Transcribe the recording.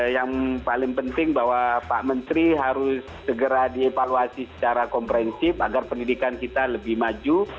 yang paling penting bahwa pak menteri harus segera dievaluasi secara komprehensif agar pendidikan kita lebih maju